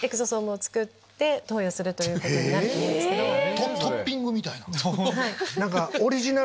トッピングみたいな。